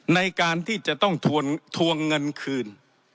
ในการที่จะต้องทวงเงินคืน